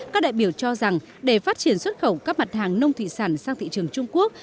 các đại biểu cho rằng để phát triển xuất khẩu các mặt hàng nông thủy sản sang thị trường trung quốc